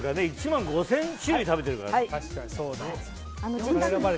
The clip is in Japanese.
１万５０００種類食べてるから。